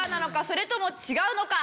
それとも違うのか？